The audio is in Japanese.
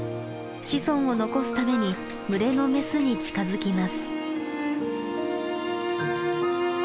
子孫を残すために群れのメスに近づきます。